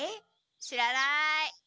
知らない。